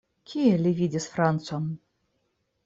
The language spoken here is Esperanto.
Kie li vidis francon?